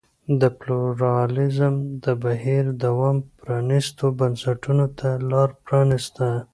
د پلورالېزم د بهیر دوام پرانیستو بنسټونو ته لار پرانېسته.